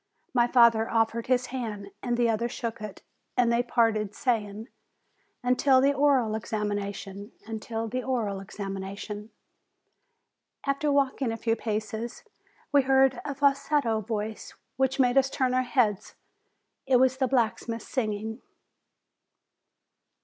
My father offered his hand, and the other shook it; and they parted, saying, "Until the oral examination." "Until the oral examination." After walking a few paces, we heard a falsetto voice which made us turn our heads. It was the black smith singing.